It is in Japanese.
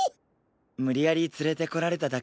無理やり連れてこられただけなんですけど。